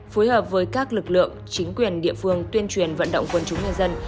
phối hợp với các lực lượng chính quyền địa phương tuyên truyền vận động quân chúng nhân dân